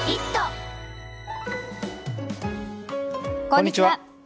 こんにちは。